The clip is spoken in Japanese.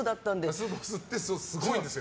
ラスボスってすごいんですよ。